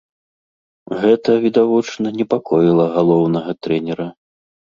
Гэта, відавочна, непакоіла галоўнага трэнера.